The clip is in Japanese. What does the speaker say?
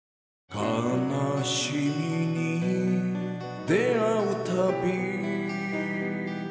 「悲しみに出会うたび」